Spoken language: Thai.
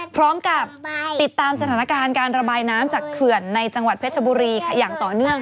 พร้อมกับติดตามสถานการณ์การระบายน้ำจากเขื่อนในจังหวัดเพชรบุรีอย่างต่อเนื่อง